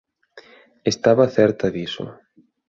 Estaba certa diso.